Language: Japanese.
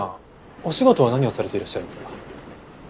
お仕事は何をされていらっしゃるんですか？